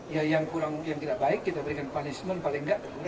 ya yang kurang yang tidak baik kita berikan punishment paling nggak